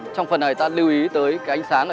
trong phần này ta lưu ý tới ánh sáng